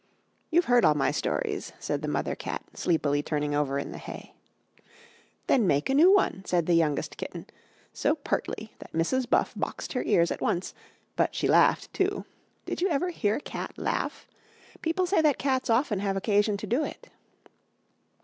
"You've heard all my stories," said the mother cat, sleepily turning over in the hay. "Then make a new one," said the youngest kitten, so pertly that Mrs. Buff boxed her ears at once but she laughed too. Did you ever hear a cat laugh? People say that cats often have occasion to do it.